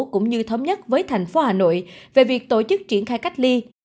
cũng như thống nhất với thành phố hà nội về việc tổ chức triển khai cách ly